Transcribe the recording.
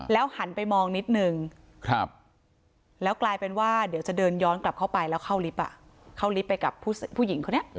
หันไปมองนิดนึงแล้วกลายเป็นว่าเดี๋ยวจะเดินย้อนกลับเข้าไปแล้วเข้าลิฟต์เข้าลิฟต์ไปกับผู้หญิงคนนี้